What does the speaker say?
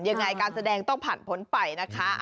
ยังไงการแสดงต้องผ่านพ้นไปนะคะ